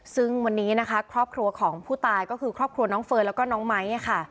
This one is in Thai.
ซึ่งวันนี้นะคะครอบครัวของผู้ตายก็คือครอบครัวน้องเฟิร์นแล้วก็น้องไม้ค่ะ